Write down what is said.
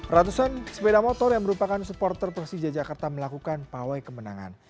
ratusan sepeda motor yang merupakan supporter persija jakarta melakukan pawai kemenangan